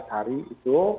empat belas hari itu